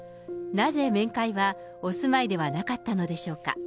なぜ面会はお住まいではなかったのでしょうか。